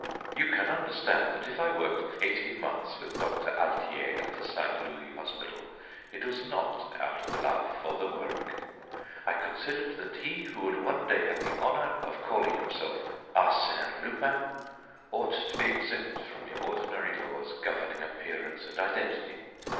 "You can understand that if I worked eighteen months with Doctor Altier at the Saint Louis hospital, it was not out of love for the work. I considered that he, who would one day have the honor of calling himself Arsène Lupin, ought to be exempt from the ordinary laws governing appearance and identity.